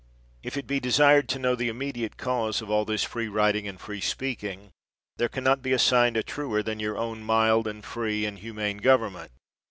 If it be de sired to know the immediate cause of all this free writing and free speaking, there can not be as signed a truer than your own mild and free and humane government.